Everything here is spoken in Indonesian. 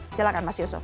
silahkan mas yusuf